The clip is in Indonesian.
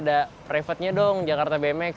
ada privatnya dong jakarta bmx